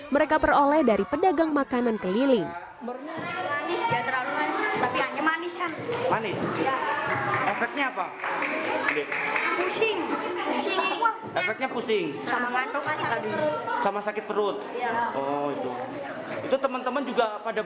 mereka peroleh dari pedagang makanan keliling